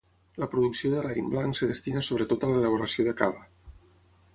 La producció de raïm blanc es destina sobretot a l'elaboració de cava.